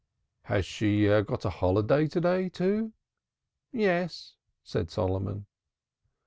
"Has she got a holiday to day, too?" "Yes," said Solomon.